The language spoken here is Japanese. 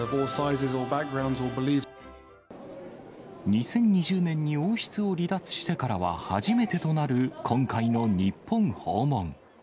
２０２０年に王室を離脱してからは初めてとなる、今回の日本訪問。